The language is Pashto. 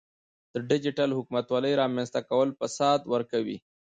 د ډیجیټل حکومتولۍ رامنځته کول فساد ورکوي.